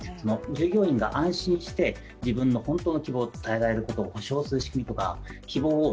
従業員が安心して自分の本当の希望を伝えられることを保障する仕組みとか、希望を